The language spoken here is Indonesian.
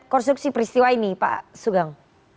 konstruksi peristiwa ini pak sugeng